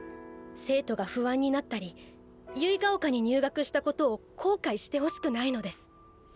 生徒が不安になったり結ヶ丘に入学したことを後悔してほしくないのです。